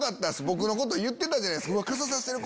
僕のこと言ってたじゃないっすか「傘差してる！